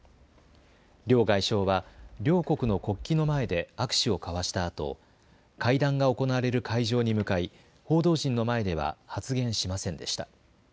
両外相は両国の国旗の前で握手を交わしたあと、会談が行われる会場に向かい報道陣の前では発言しませんでした。